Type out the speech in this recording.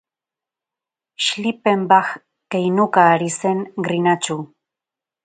Xlippenbakh keinuka ari zen, grinatsu.